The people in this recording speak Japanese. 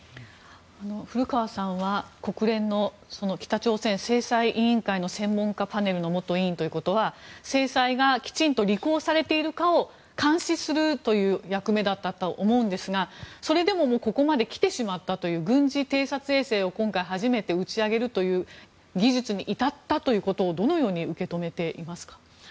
古川さんは国連の北朝鮮制裁委員会の専門家パネルの元委員ということは制裁がきちんと履行されているかを監視するという役目だったと思うんですがそれでもここまで来てしまったという軍事偵察衛星を今回初めて、打ち上げるという技術に至ったということをどのように受け止めていますか。